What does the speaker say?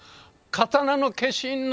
刀の化身の。